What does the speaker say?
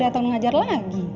dia udah ngajar lagi